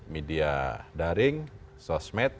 media daring sosmed